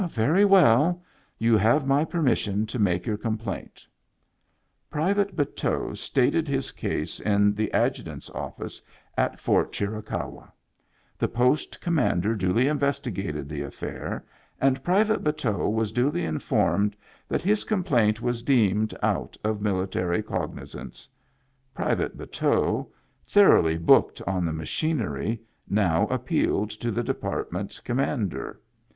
"Very well. You have my permission to make your complaint." Private Bateau stated his case in the Adju tant's office at Fort Chiricahua. The post commander duly investigated the affair, and private Bateau was duly informed that his com plaint was deemed out of military cognizance. Private Bateau, thoroughly booked on the ma chinery, now appealed to the Department Com mander.